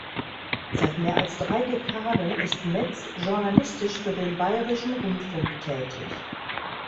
Seit mehr als drei Dekaden ist Metz journalistisch für den Bayerischen Rundfunk tätig.